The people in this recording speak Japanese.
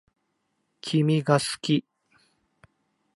君が好き